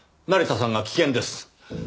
成田さんが危険です！